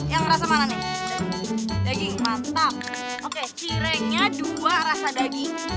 ya udah udah laku banyak juga udah mau habis